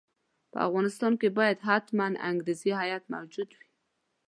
په افغانستان کې باید حتماً انګریزي هیات موجود وي.